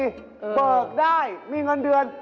เบิกได้มีเงินเดือน